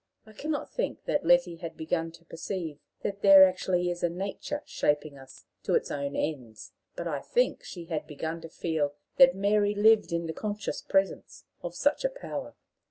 I can not think that Letty had begun to perceive that there actually is a Nature shaping us to its own ends; but I think she had begun to feel that Mary lived in the conscious presence of such a power.